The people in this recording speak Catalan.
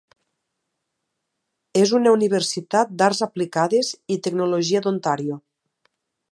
És una universitat d'arts aplicades i tecnologia d'Ontario.